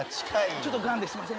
ちょっとガンですみません。